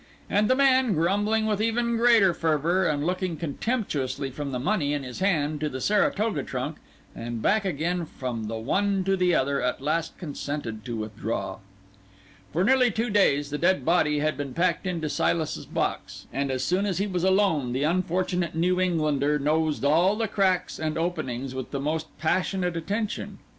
And the man, grumbling with even greater fervour, and looking contemptuously from the money in his hand to the Saratoga trunk and back again from the one to the other, at last consented to withdraw. For nearly two days the dead body had been packed into Silas's box; and as soon as he was alone the unfortunate New Englander nosed all the cracks and openings with the most passionate attention.